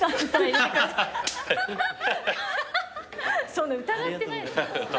そんな疑ってない。